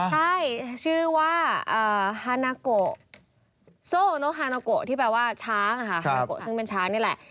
ใช่ชื่อว่าฮานาโกที่แปลว่าช้างฮานาโกซึ่งเป็นช้างนี่แหละ